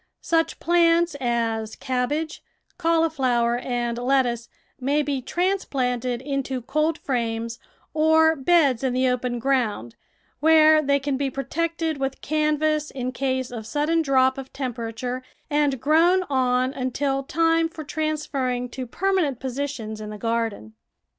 Such plants as cabbage, cauli flower, and lettuce may be transplanted into cold frames or beds in the open ground, where they can be protected with canvas in case of sudden drop of temperature, and grown on until time for trans ferring to permanent positions in the garden.